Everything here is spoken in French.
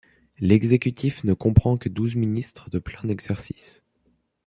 L'exécutif ne comprend que douze ministres de plein exercice.